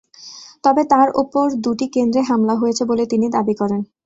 তবে তাঁর ওপর দুটি কেন্দ্রে হামলা হয়েছে বলে তিনি দাবি করেন।